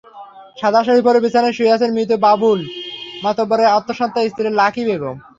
সাদা শাড়ি পরে বিছানায় শুয়ে আছেন মৃত বাবুল মাতবরের অন্তঃসত্ত্বা স্ত্রী লাকি বেগম।